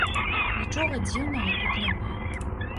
Нічога дзіўнага тут няма.